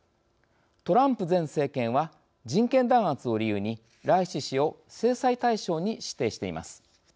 トランプ前政権は人権弾圧を理由にライシ師を制裁対象に指定しています。